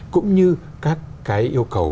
cũng như các cái yêu cầu